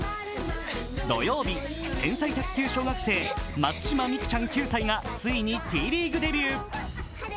土曜日、天才卓球小学生、松島美空ちゃん９歳がついにＴリーグデビュー。